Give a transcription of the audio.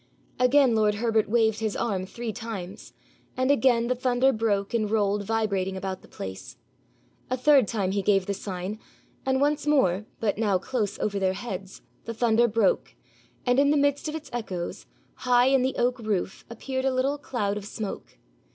Again lord Herbert waved his arm three times, and again the thunder broke and rolled vibrating about the place. A third time he gave the sign, and once more, but now close over their heads, the thunder broke, and in the midst of its echoes, high in the oak roof appeared a little cloud of smoke.